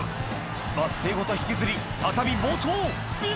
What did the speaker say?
バス停ごと引きずり再び暴走！